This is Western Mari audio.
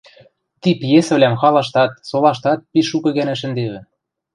Ти пьесӹвлӓм халаштат, солаштат пиш шукы гӓнӓ шӹндевӹ.